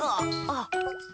あっ。